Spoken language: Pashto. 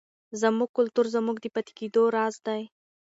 زموږ کلتور زموږ د پاتې کېدو راز دی.